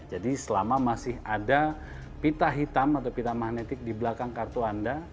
jadi selama masih ada pita hitam atau pita magnetik di belakang kartu anda